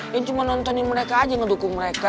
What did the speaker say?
dia cuma nontonin mereka aja ngedukung mereka